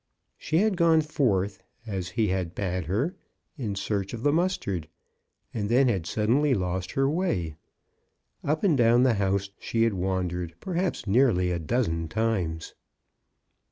She had gone forth. 34 CHRISTMAS AT THOMPSON HALL. as he had bade her, in search of the mustard, and then had suddenly lost her way. Up and down the house she had wandered, perhaps nearly a dozen times.